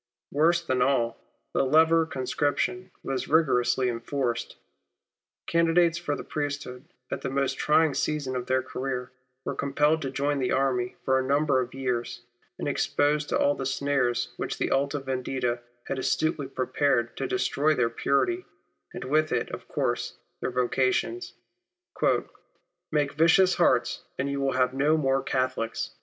Worse than all, the leva or conscription was rigorously enforced. Candidates for the priesthood at the most trying season of their career, were compelled to join the army for a number of years, and exposed to all the snares which the Alta Vendita had astutely prepared to destroy their purity, and with it, of course, their vocations ;" make vicious hearts, and you will have no more Catholics."